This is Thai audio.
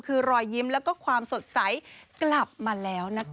คือรอยยิ้มแล้วก็ความสดใสกลับมาแล้วนะคะ